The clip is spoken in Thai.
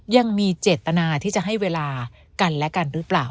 ยังมีเจตนาที่จะให้เวลากันและกันหรือเปล่า